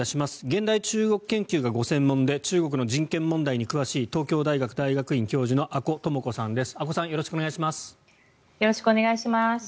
現代中国研究がご専門で中国の人権問題に詳しい東京大学大学院教授の阿古智子さんです。